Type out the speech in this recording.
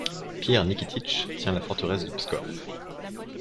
Pierre Nikititch tient la forteresse de Pskov.